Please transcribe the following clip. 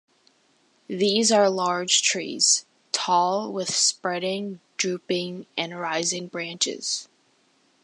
These are large trees, tall, with spreading, drooping, and rising branches.